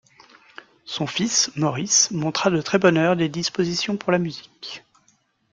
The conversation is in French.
Son fils, Maurice, montra de très bonne heure des dispositions pour la musique.